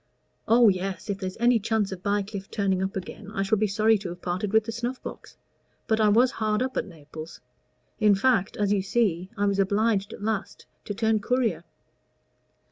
"Oh, yes. If there's any chance of Bycliffe turning up again, I shall be sorry to have parted with the snuff box; but I was hard up at Naples. In fact, as you see, I was obliged at last to turn courier."